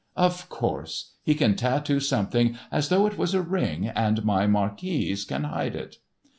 "Of course. He can tattoo something as though it was a ring, and my marquise can hide it."